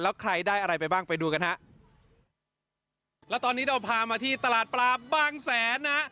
แล้วใครได้อะไรไปบ้างไปดูกันฮะแล้วตอนนี้เราพามาที่ตลาดปลาบางแสนนะ